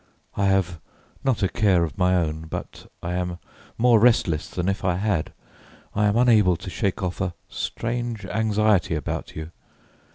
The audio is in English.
I have not a care of my own, but I am more restless than if I had. I am unable to shake off a strange anxiety about you.